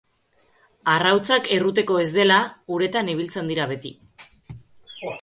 Arrautzak erruteko ez dela, uretan ibiltzen dira beti.